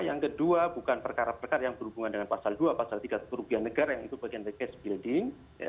yang kedua bukan perkara perkara yang berhubungan dengan pasal dua pasal tiga puluh kerugian negara yang itu bagian dari case building